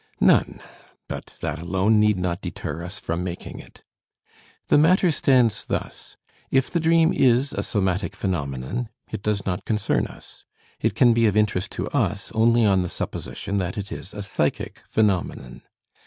None; but that alone need not deter us from making it. The matter stands thus: If the dream is a somatic phenomenon, it does not concern us. It can be of interest to us only on the supposition that it is a psychic phenomenon.